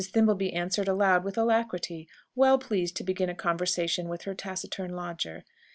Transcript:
Thimbleby answered aloud with alacrity, well pleased to begin a conversation with her taciturn lodger.